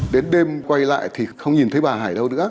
đến đêm quay lại thì không nhìn thấy bà hải đâu nữa